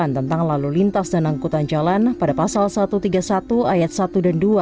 tentang lalu lintas dan angkutan jalan pada pasal satu ratus tiga puluh satu ayat satu dan dua